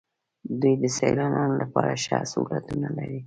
دوی د سیلانیانو لپاره ښه سهولتونه لري.